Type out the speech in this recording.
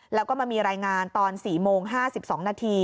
แล้วก็มามีรายงานตอน๔โมง๕๒นาที